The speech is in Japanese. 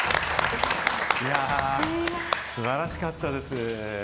素晴らしかったです。